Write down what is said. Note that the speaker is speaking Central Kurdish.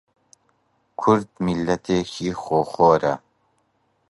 کورد میللەتێکی خۆخۆرە